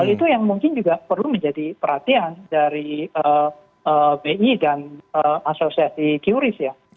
itu yang mungkin juga perlu menjadi perhatian dari bi dan asosiasi qris ya